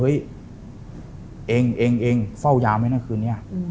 เองเฝ้ายามไหมนะคืนนี้